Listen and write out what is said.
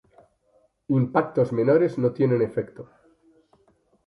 Impactos menores no tienen efecto.